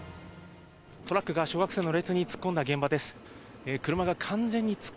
トラックが小学生の列に突っ込んだ現場です。